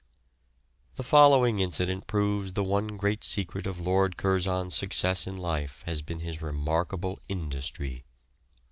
The following incident proves the one great secret of Lord Curzon's success in life has been his remarkable industry.